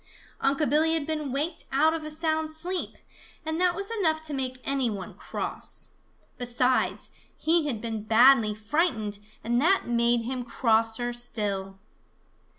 Unc' Billy had been waked out of a sound sleep, and that was enough to make any one cross. Besides, he had been badly frightened, and that made him crosser still.